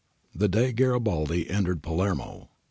[Day Garibaldi entered Palermo.